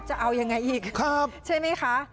จะเอายังไงอีก